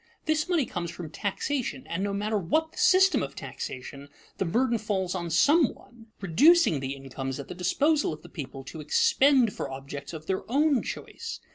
This money comes from taxation, and no matter what the system of taxation, the burden falls on some one, reducing the incomes at the disposal of the people to expend for objects of their own choice.